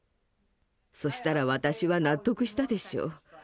そしたら私は納得したでしょう。